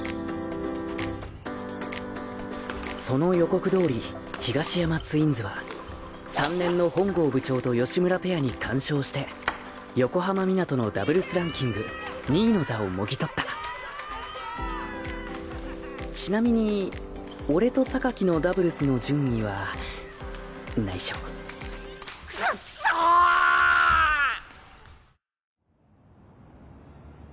その予告通り東山ツインズは３年の本郷部長と吉村ペアに完勝して横浜湊のダブルスランキング２位の座をもぎとったちなみに俺とのダブルスの順位は内緒クッソーッ！！